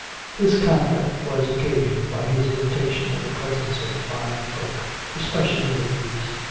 This conflict was occasioned by his irritation at the presence of fine folk, especially ladies.